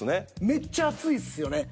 めっちゃ熱いっすよね